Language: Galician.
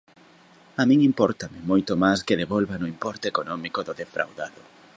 A min impórtame moito máis que devolvan o importe económico do defraudado.